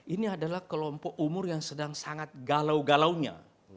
ini adalah kelompok umur yang sedang sangat galau galaunya